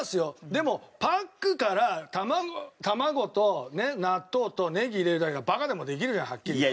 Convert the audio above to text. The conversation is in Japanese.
でもパックから卵と納豆とネギ入れるだけだからバカでもできるじゃんはっきり言って。